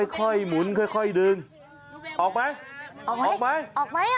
หมุนค่อยดึงออกไหมออกไหมออกไหมอ่ะ